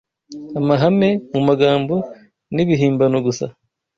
amahame mu magambo n’ibihimbano gusa